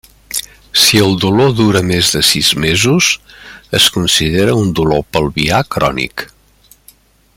Si el dolor dura més de sis mesos, es considera un dolor pelvià crònic.